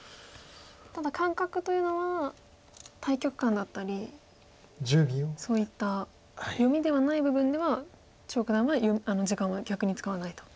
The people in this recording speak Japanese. ただ感覚というのは大局観だったりそういった読みではない部分では張栩九段は時間は逆に使わないと。